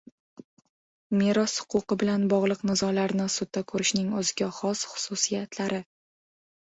Meros huquqi bilan bog‘liq nizolarni sudda ko‘rishning o‘ziga xos xususiyatlari